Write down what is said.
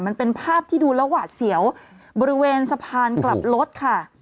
มันเป็นภาพที่ดูแล้วหวาดเสียวบริเวณสะพานกลับรถค่ะ